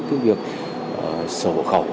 cái việc sở hộ khẩu